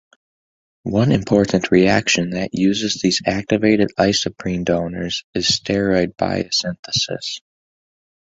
One important reaction that uses these activated isoprene donors is steroid biosynthesis.